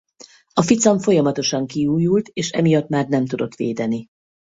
A ficam folyamatosan kiújult és emiatt már nem tudott védeni.